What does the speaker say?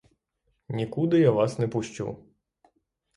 Нікуди я вас не пущу.